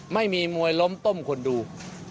ไม่มีมวยล้มต้มคนดู